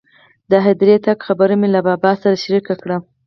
د هدیرې تګ خبره مې له بابا سره شریکه کړه.